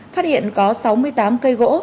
phát hiện có sáu mươi tám cây gỗ